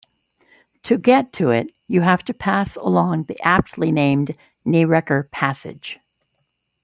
To get to it you have to pass along the aptly named Knee-wrecker Passage.